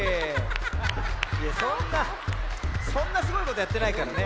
いやそんなそんなすごいことやってないからね。